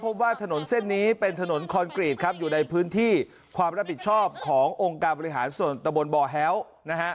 พบว่าถนนเส้นนี้เป็นถนนคอนกรีตครับอยู่ในพื้นที่ความรับผิดชอบขององค์การบริหารส่วนตะบนบ่อแฮ้วนะฮะ